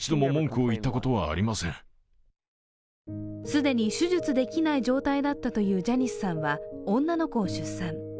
既に手術できない状態だったというジャニスさんは女の子を出産。